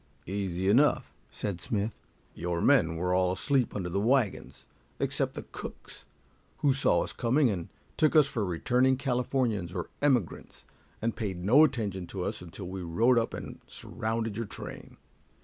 "Easily enough," said Smith. "Your men were all asleep under the wagons, except the cooks, who saw us coming, and took us for returning Californians or emigrants, and paid no attention to us until we rode up and surrounded your train.